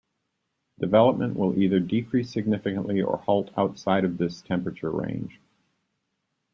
Development will either decrease significantly or halt outside of this temperature range.